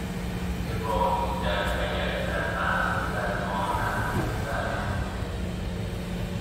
که با این در اگر دربند در ماند، در ماند